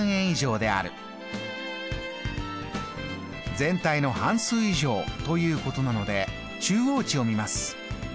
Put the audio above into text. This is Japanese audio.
「全体の半数以上」ということなので中央値を見ます。